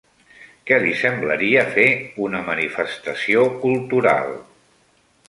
Què li semblaria fer una manifestació cultural?